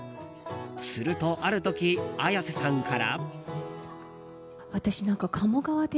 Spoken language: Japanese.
すると、ある時綾瀬さんから。